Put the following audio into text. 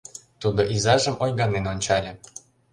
— Тудо изажым ойганен ончале.